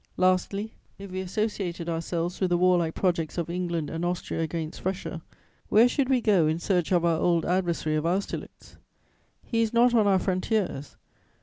"Lastly, if we associated ourselves with the warlike projects of England and Austria against Russia, where should we go in search of our old adversary of Austerlitz? He is not on our frontiers.